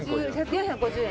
４５０円。